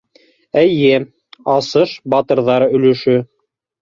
Эйе, асыш - батырҙар өлөшө.